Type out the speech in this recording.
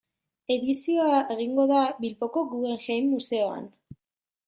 Edizioa egingo da Bilboko Guggenheim museoan.